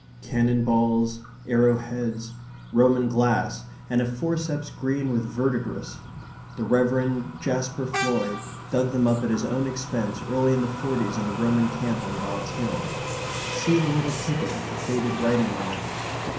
Cannon balls; arrow heads; Roman glass and a forceps green with verdigris. The Rev. Jaspar Floyd dug them up at his own expense early in the forties in the Roman camp on Dods Hill see the little ticket with the faded writing on it.